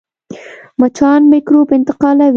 مچان میکروب انتقالوي